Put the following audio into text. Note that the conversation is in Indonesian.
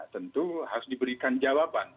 tentu harus diberikan jawaban